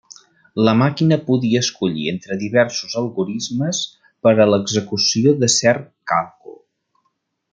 La màquina podia escollir entre diversos algorismes per a l'execució de cert càlcul.